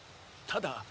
「ただ」